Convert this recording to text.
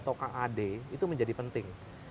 atau kad itu menjadi penting